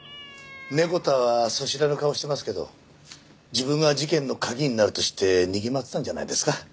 ネコ太は素知らぬ顔してますけど自分が事件の鍵になると知って逃げ回ってたんじゃないですか。